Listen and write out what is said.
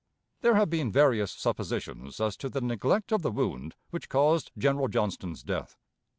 There have been various suppositions as to the neglect of the wound which caused General Johnston's death.